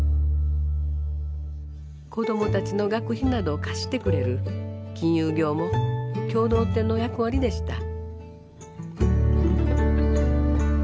子供たちの学費などを貸してくれる金融業も共同店の役割でした。